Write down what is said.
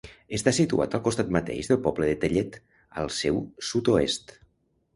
Està situat al costat mateix del poble de Tellet, al seu sud-oest.